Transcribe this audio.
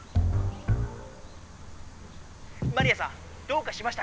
マリアさんどうかしましたか？